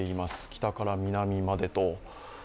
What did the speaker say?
北から南までと。